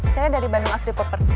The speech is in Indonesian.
saya dari bandung asri poperty